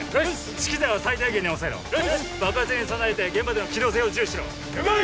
資機材は最低限に抑えろ爆発に備えて現場での機動性を重視しろ了解！